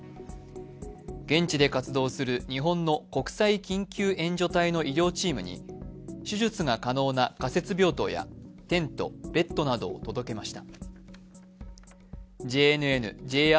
現地で活動する日本の国際緊急援助隊の医療チームに手術が可能な仮設病棟やテント、ベッドなどを届けました。